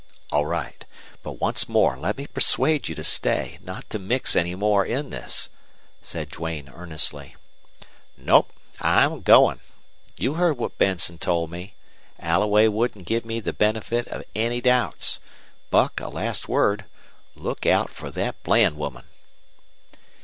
"All right. But once more let me persuade you to stay not to mix any more in this," said Duane, earnestly. "Nope. I'm goin'. You heard what Benson told me. Alloway wouldn't give me the benefit of any doubts. Buck, a last word look out fer thet Bland woman!"